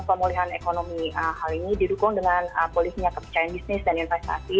pemulihan ekonomi hal ini didukung dengan pulihnya kepercayaan bisnis dan investasi